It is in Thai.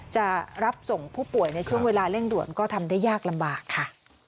จะรับส่งผู้ป่วยในช่วงเวลาเร่งด่วนก็ทำได้ยากลำบากค่ะ